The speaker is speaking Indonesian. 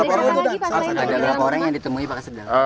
ada berapa orang yang ditemui pak